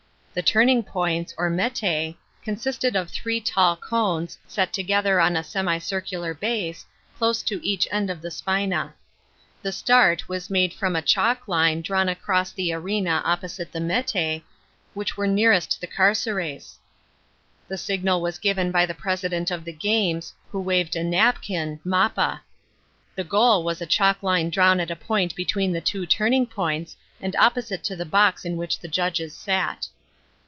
The turning points, or consisted ot three tall cones, set together ou a semicircular base, close to each end of the spinet. The start was made from a chalk line drawn across the arena opposite the metx, which were nnnrest the carceres. The signal was given by the president of the games, who waved a napkin (mappa).* The goal was a chalk line drawn at a point between the two turning points, and opposite to the box in which the judges sat.